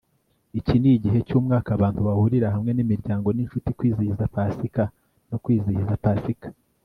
iki nikigihe cyumwaka abantu bahurira hamwe nimiryango ninshuti kwizihiza pasika no kwizihiza pasika